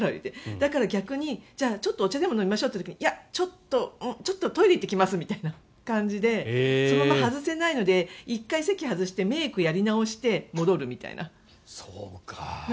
だから、逆にちょっとお茶でも飲みましょうという時にいや、ちょっとトイレ行ってきますみたいな感じでそのまま外せないので１回席を外してメイクをやり直して戻るみたいな。